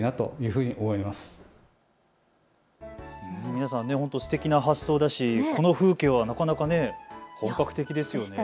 皆さん、ほんとすてきな発想だしこの風景はなかなか本格的ですよね。